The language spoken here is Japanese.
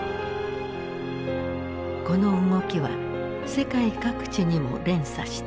この動きは世界各地にも連鎖した。